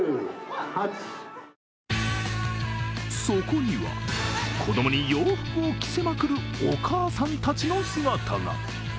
そこには子供に洋服を着せまくるお母さんたちの姿が。